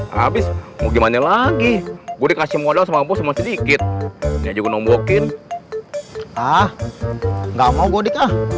habis mau gimana lagi gue kasih modal sama bos masih dikit ini aja gue nombokin ah nggak mau gue dik ah